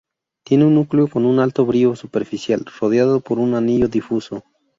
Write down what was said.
Tiene un núcleo con un alto brillo superficial rodeado por un anillo difuso.